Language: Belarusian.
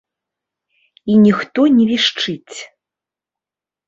І ніхто не вішчыць.